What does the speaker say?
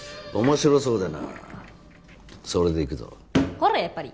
ほらやっぱり。